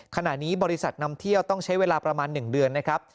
ขณะนี้บริษัทนำเที่ยวต้องใช้เวลาประมาณ๑เดือนนะครับ